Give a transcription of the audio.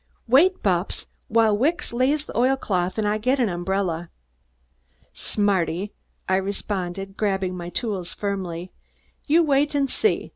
"Wait, Bupps, while Wicks lays the oilcloth and I get an umbrella." "Smarty!" I responded, grabbing my tools firmly, "you wait and see!